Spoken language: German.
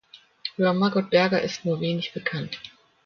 Über Margot Berger ist nur wenig bekannt.